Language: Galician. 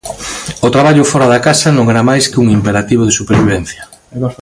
O traballo fóra da casa non era máis que un imperativo de supervivencia.